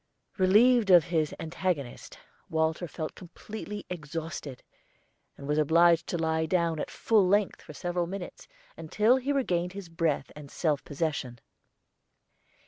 Relieved of his antagonist, Walter felt completely exhausted, and was obliged to lie down at full length for several minutes until he regained his breath and self possession.